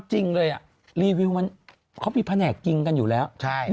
รีวิวมันมีแผนกริงกันอยู่แล้ว